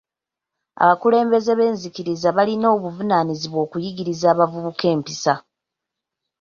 Abakulembeze b'enzikiriza balina obuvunaanyizibwa okuyigiriza abavubuka empisa.